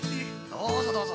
どうぞどうぞ。